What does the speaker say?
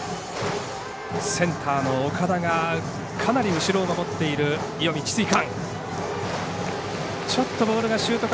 センターの岡田がかなり後ろを守っている石見智翠館。